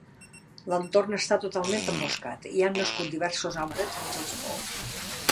L'entorn està totalment emboscat i han nascut diversos arbres dins del pou.